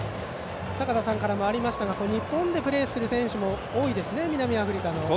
坂田さんからもありましたが日本でプレーする選手も多いですね、南アフリカは。